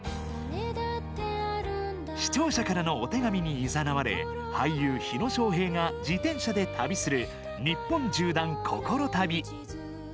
視聴者からのお手紙にいざなわれ俳優・火野正平が自転車で旅する「にっぽん縦断こころ旅」。